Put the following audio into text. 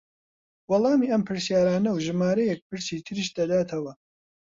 وەڵامی ئەم پرسیارانە و ژمارەیەک پرسی تریش دەداتەوە